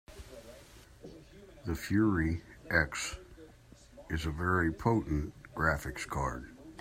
The Fury X is a very potent graphics card.